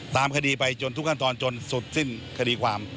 ตามคดีไปจนทุกขั้นตอนจนสุดสิ้นคดีความ